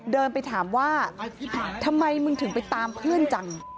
เดินไปถามว่าทำไมมึงถึงไปตามเพื่อนจัง